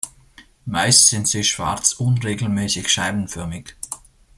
Meist sind sie schwarz, unregelmäßig scheibenförmig.